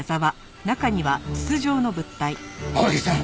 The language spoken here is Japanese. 青柳さん！